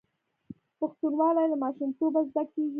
پښتونولي له ماشومتوبه زده کیږي.